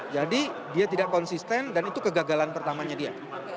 jadi dia tidak konsisten dan itu kegagalan pertamanya dia